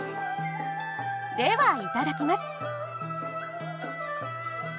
ではいただきます。